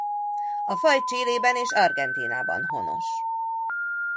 A faj Chilében és Argentínában honos.